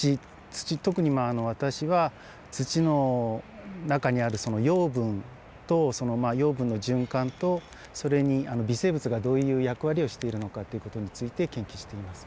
土特にまあ私は土の中にあるその養分とそのまあ養分の循環とそれにあの微生物がどういう役割をしているのかっていう事について研究しています。